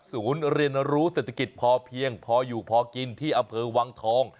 ศูนย์เรียนรู้เศรษฐกิจพอเพียงพออยู่พอกินที่อำเภอวังทอง